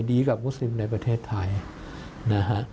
ดีกับมุสลิมในประเทศไทยนะฮะ